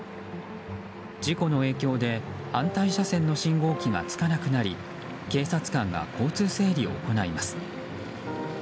事故の影響で反対車線の信号機がつかなくなり警察官が交通整理を行います。